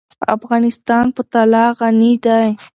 افغانستان په طلا غني دی.